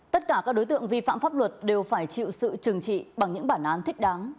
tất cả các đối tượng vi phạm pháp luật đều phải chịu sự trừng trị bằng những bản án thích đáng